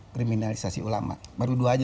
kriminalisasi ulama baru dua aja